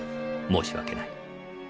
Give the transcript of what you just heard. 申し訳ない。